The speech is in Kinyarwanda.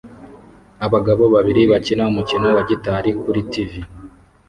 Abagabo babiri bakina umukino wa gitari kuri TV